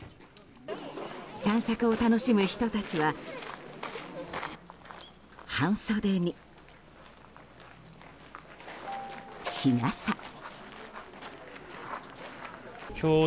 散策を楽しむ人たちは半袖に、日傘。